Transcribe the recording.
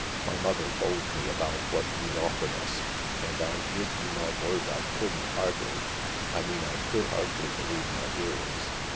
" My mother told me about what you'd offered us, and I give youmy word Icouldn't hardly — I mean I could hardly believe my ears.